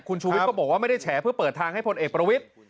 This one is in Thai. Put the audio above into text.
คุณชูวิทย์ก็บอกว่าไม่ได้แฉเพื่อเปิดทางให้พลเอกประวิทธิ์